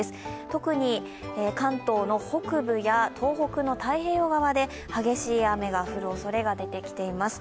特に、関東の北部や東北の太平洋側で激しい雨が降るおそれが出てきています。